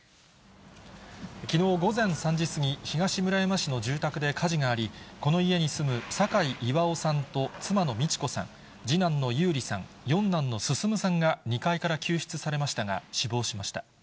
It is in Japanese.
きのう午前３時過ぎ、東村山市の住宅で火事があり、この家に住む、酒井巌さんと妻の道子さん、次男の優里さん、四男の進さんが２階から救出されましたが、死亡しました。